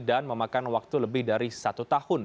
dan memakan waktu lebih dari satu tahun